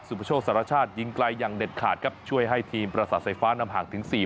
ประโชคสารชาติยิงไกลอย่างเด็ดขาดครับช่วยให้ทีมประสาทไฟฟ้านำห่างถึงสี่